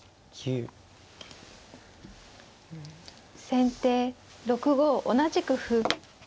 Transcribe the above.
先手６五同じく歩。